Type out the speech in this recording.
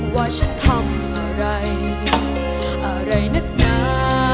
ว่าฉันทำอะไรอะไรนักหนา